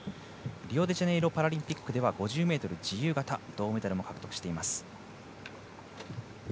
リオデジャネイロパラリンピックでは５０ｍ自由形銅メダルを獲得しています。